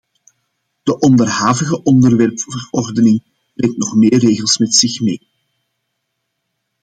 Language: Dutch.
De onderhavige ontwerpverordening brengt nog meer regels met zich mee.